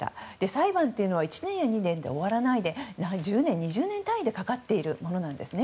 裁判というのは１年や２年で終わらないで１０年、２０年単位でかかっているものなんです。